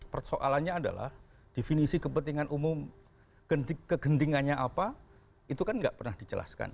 persoalannya adalah definisi kepentingan umum kegentingannya apa itu kan nggak pernah dijelaskan